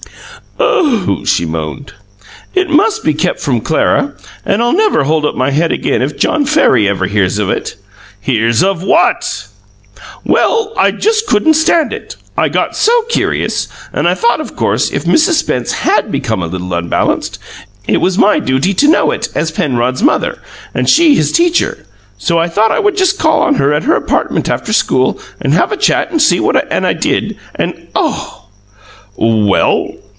"Oh," she moaned, "it must be kept from Clara and I'll never hold up my head again if John Farry ever hears of it!" "Hears of WHAT?" "Well, I just couldn't stand it, I got so curious; and I thought of course if Miss Spence HAD become a little unbalanced it was my duty to know it, as Penrod's mother and she his teacher; so I thought I would just call on her at her apartment after school and have a chat and see and I did and oh " "Well?"